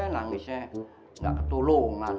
nangisnya gak ketulungan